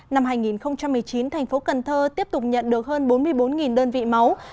năm hai nghìn một mươi chín tp cnh tiếp tục nhận được hơn bốn mươi bốn đơn vị máu